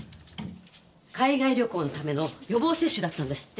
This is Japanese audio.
海外旅行のための予防接種だったんですって。